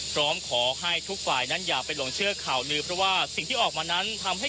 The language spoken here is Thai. พร้อมขอให้ทุกฝ่ายนั้นอย่าไปหลงเชื่อข่าวลือเพราะว่าสิ่งที่ออกมานั้นทำให้